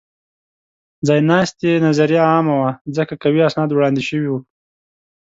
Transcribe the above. ځایناستې نظریه عامه وه؛ ځکه قوي اسناد وړاندې شوي وو.